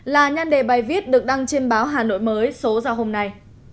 là nhan đề bài viết được đăng trên báo hà nội mới số ra hôm nay